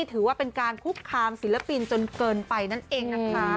ถือว่าเป็นการคุกคามศิลปินจนเกินไปนั่นเองนะคะ